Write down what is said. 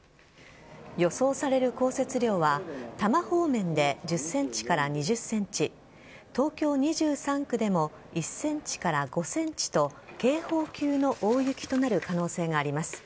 予想される降雪量は多摩方面で１０ｃｍから２０ｃｍ東京２３区でも１ｃｍから５ｃｍと警報級の大雪となる可能性があります。